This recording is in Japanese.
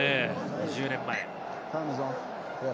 ２０年前。